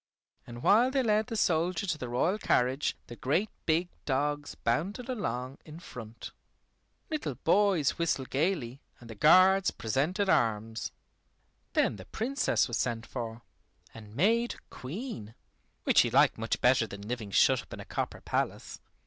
And while they led the soldier to the royal carriage the great big dogs bounded along in front. Little boys whistled gaily, and the guards presented arms. Then the Princess was sent for, and made Queen, which she liked much better than living shut up in a copper palace.